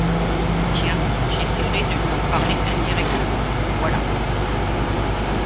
Tiens, j’essaierai de lui en parler indirectement, voilà.